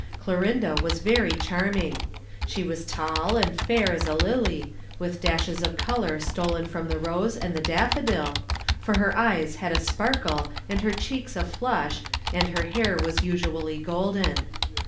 Clorinda was very charming. She was tall and fair as a lily, with dashes of color stolen from the rose and the daffodil, for her eyes had a sparkle and her cheeks a flush and her hair was usually golden.